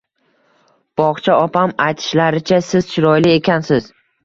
Bog`cha opam aytishlaricha, siz chiroyli ekansiz